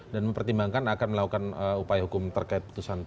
dan mempertimbangkan akan melakukan upaya hukuman